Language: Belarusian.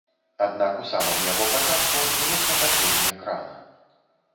Аднак у самым яго пачатку, адбылося падзенне крана.